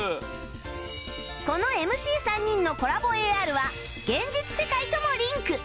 この ＭＣ３ 人のコラボ ＡＲ は現実世界ともリンク